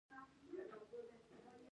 که کوم ځای کې ودرېږي د لنډ وخت لپاره